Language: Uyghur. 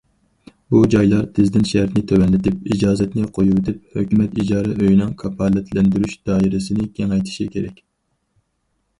بۇ جايلار تېزدىن شەرتنى تۆۋەنلىتىپ، ئىجازەتنى قويۇۋېتىپ، ھۆكۈمەت ئىجارە ئۆيىنىڭ كاپالەتلەندۈرۈش دائىرىسىنى كېڭەيتىشى كېرەك.